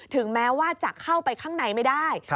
ถึงแม้ว่าจะเข้าไปข้างในไม่ได้